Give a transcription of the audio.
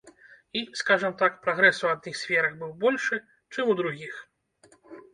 І, скажам так, прагрэс у адных сферах быў большы, чым у другіх.